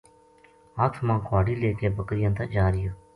ہتھ ما کہاڑی لے کے بکریاں تا جارہیو